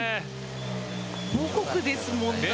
母国ですもんね。